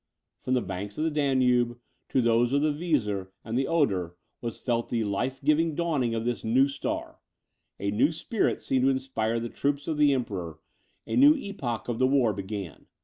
From the banks of the Danube, to those of the Weser and the Oder, was felt the life giving dawning of this new star; a new spirit seemed to inspire the troops of the emperor, a new epoch of the war began.